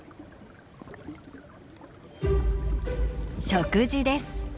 食事です。